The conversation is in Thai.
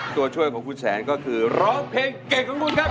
ตัวช่วยของคุณแสนก็คือร้องเพลงเก่งของคุณครับ